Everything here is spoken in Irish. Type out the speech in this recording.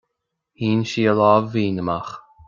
Shín sí a lámh mhín amach.